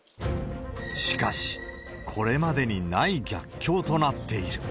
しかし、これまでにない逆境となっている。